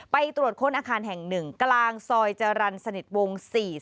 ไปตรวจค้นอาคารแห่ง๑กลางซอยจรรย์สนิทวง๔๔